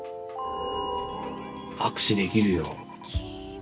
握手できるよ。